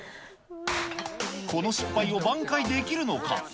この失敗を挽回できるのか。